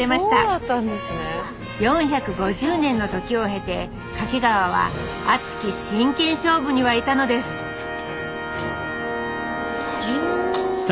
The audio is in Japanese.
４５０年の時を経て掛川は熱き真剣勝負にわいたのですあそうか。